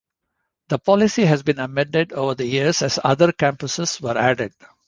The policy has been amended over the years as other campuses were added.